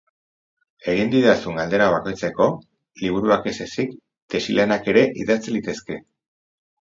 Egin didazun galdera bakoitzeko, liburuak ez ezik, tesi-lanak ere idatz litezke.